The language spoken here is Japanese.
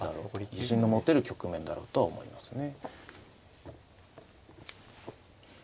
自信の持てる局面だろうとは思いますね。